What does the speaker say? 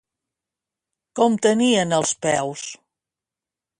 Com tenien els peus?